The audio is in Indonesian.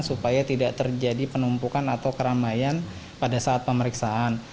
supaya tidak terjadi penumpukan atau keramaian pada saat pemeriksaan